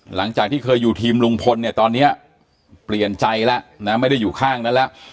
หลังจากที่เคยอยู่ทีมลุงพลเนี่ยตอนนี้เปลี่ยนใจแล้วนะไม่ได้อยู่ข้างนั้นแล้ว